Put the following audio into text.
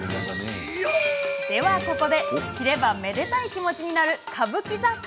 と、ここで知ればめでたい気持ちになる歌舞伎座